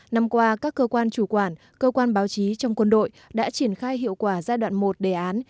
năm qua các cơ quan chủ quản cơ quan báo chí trong quân đội đã triển khai hiệu quả giai đoạn một đề án